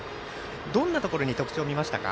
どんなところに特徴を見ましたか。